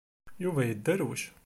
Yuba yedderwec.